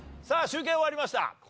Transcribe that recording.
さあ集計終わりました。